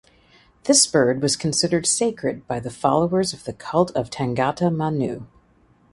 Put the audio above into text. This bird was considered sacred by the followers of the cult of Tangata manu.